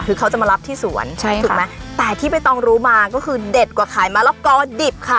คือเขาจะมารับที่สวนใช่ค่ะถูกไหมแต่ที่ใบตองรู้มาก็คือเด็ดกว่าขายมะละกอดิบค่ะ